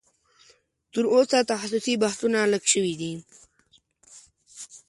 تر اوسه تخصصي بحثونه لږ شوي دي